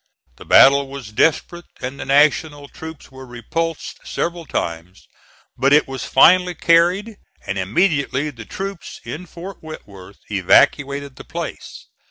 The battle was desperate and the National troops were repulsed several times; but it was finally carried, and immediately the troops in Fort Whitworth evacuated the place.